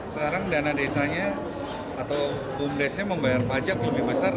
sekarang dana desanya atau bumdesnya membayar pajak lebih besar